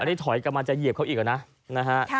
อันนี้ถอยกำลังจะเหยียบเขาอีกหรือนะ